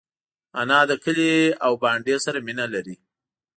انا له کلي او بانډې سره مینه لري